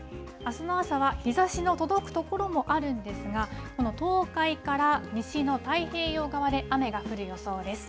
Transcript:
あすの朝は日ざしの届く所もあるんですが、この東海から西の太平洋側で雨が降る予想です。